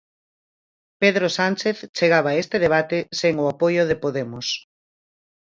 Pedro Sánchez chegaba a este debate sen o apoio de Podemos.